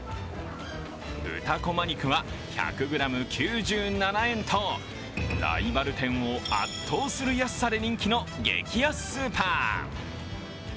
豚こま肉は１００ｇ９７円とライバル店を圧倒する安さで人気の激安スーパー。